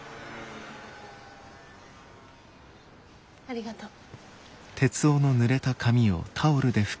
ありがとう。